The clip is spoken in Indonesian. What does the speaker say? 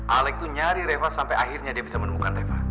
alex itu nyari reva sampai akhirnya dia bisa menemukan reva